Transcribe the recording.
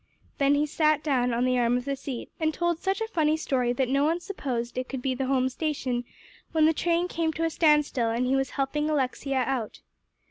Then he sat down on the arm of the seat, and told such a funny story that no one supposed it could be the home station when the train came to a standstill, and he was helping Alexia out.